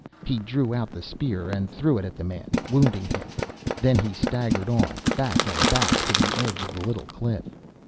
He drew out the spear and threw it at the man, wounding him. Then he staggered on, back and back, to the edge of the little cliff.